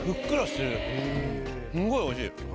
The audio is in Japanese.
すんごいおいしい！